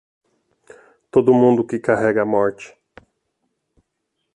Todo mundo que carrega a morte.